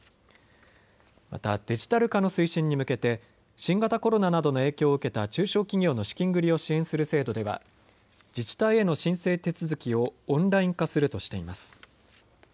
またデジタル化の推進に向けて新型コロナなどの影響を受けた中小企業の資金繰りを支援する制度では自治体への申請手続きをオンライン化するとしています。